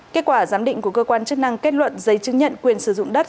kết quả giám định của cơ quan chức năng kết luận giấy chứng nhận quyền sử dụng đất